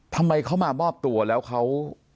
ทำไมเขามามอบตัวแล้วเขา